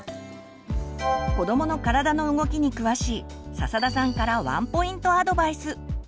子どもの体の動きに詳しい笹田さんからワンポイントアドバイス。